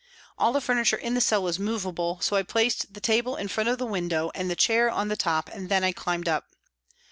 All the furniture in the cell was movable, so I placed the table in front of the window and the chair on the top, then I climbed up.